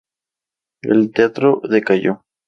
El teatro decayó.